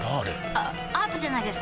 あアートじゃないですか？